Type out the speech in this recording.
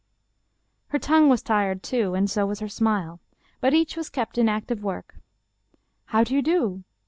Her tongue was tired too and so was her smile, but eacH was kept in active work. " How do you do